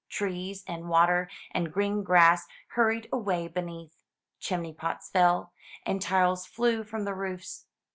Trees, and water, and green grass hurried away beneath. Chimney pots fell, and tiles flew from the roofs.